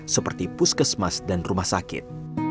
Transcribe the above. seperti puskesmas dan rumah sakit